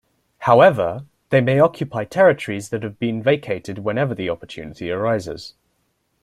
However, they may occupy territories that have been vacated whenever the opportunity arises.